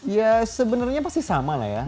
ya sebenarnya pasti sama lah ya